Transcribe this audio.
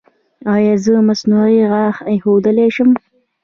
ایا زه مصنوعي غاښ ایښودلی شم؟